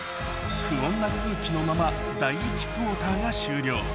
不穏な空気のまま第１クオーターが終了